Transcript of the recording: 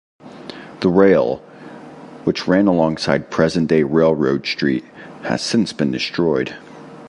The rail, which ran alongside present-day Railroad Street, has since been destroyed.